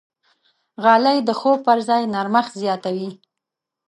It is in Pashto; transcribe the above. غالۍ د خوب پر ځای نرمښت زیاتوي.